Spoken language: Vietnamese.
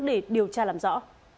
để điều tra làm rõ